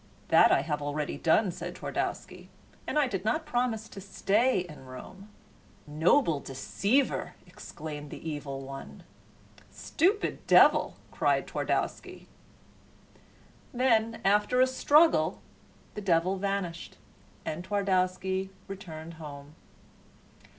"That I have already done," said Twardowski, "and I did not promise to stay in Rome." "Noble deceiver!" exclaimed the Evil One. "Stupid devil!" cried Twardowski. Then after a struggle the devil vanished and Twardowski returned home.